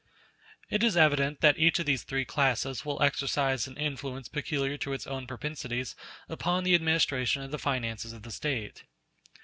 It is evident that each of these classes will exercise an influence peculiar to its own propensities upon the administration of the finances of the State.